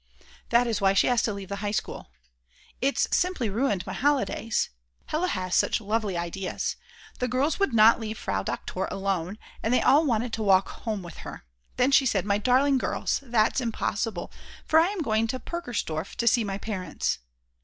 That is why she has to leave the High School. It's simply ruined my holidays. Hella has such lovely ideas. The girls would not leave Frau Doktor alone, and they all wanted to walk home with her. Then she said: "My darling girls, that's impossible, for I am going to Purkersdorf to see my parents."